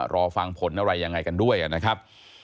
รอฟังผลอะไรยังไงกันด้วยนะครับ